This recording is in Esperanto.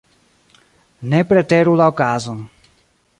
Ne preteru la okazon.